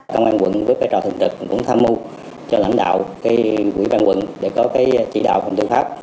công an quận với vai trò thường trực cũng tham mưu cho lãnh đạo quỹ ban quận để có chỉ đạo phòng tư pháp